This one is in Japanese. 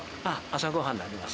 朝ご飯になります。